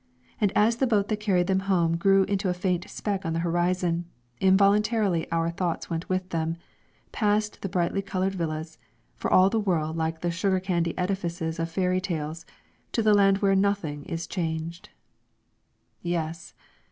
And as the boat that carried them home grew into a faint speck on the horizon, involuntarily our thoughts went with them, past the brightly coloured villas, for all the world like the sugar candy edifices of fairy tales, to the land where nothing is changed. Yes!